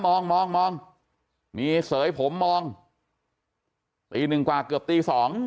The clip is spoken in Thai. มองมองมองมีเสยผมมองปี๑กว่าเกือบปี๒